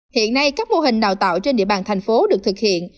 hiện nay các mô hình đào tạo trên địa bàn thành phố được thực hiện